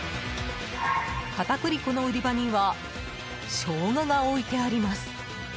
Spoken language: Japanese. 片栗粉の売り場にはショウガが置いてあります。